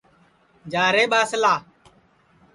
جا رے ٻاسلا